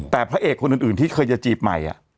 แต่พระเอกคนอื่นที่เคยจะจีบใหม่